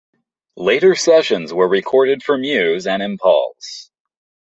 Later sessions were recorded for Muse and Impulse.